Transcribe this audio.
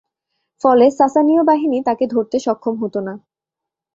ফলে সাসানীয় বাহিনী তাকে ধরতে সক্ষম হত না।